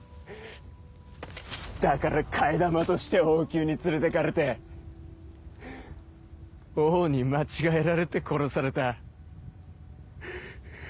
だから替え玉として王宮に連れてかれて王に間違えられて殺された。